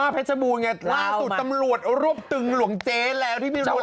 เพชบูไงล่าสุดตำรวจรวบตึงหลวงเจมส์แล้วที่มีรวมราวหนุ่ม